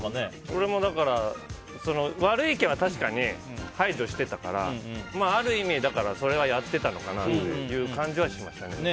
俺も、悪い意見は確かに排除してたからある意味、それはやってたのかなっていう感じはしましたね。